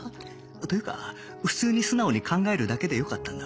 というか普通に素直に考えるだけでよかったんだ